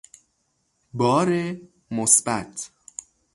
بار مثبت